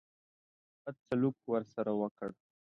بد سلوک ورسره وکړ.